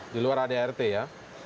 diluar adrt ya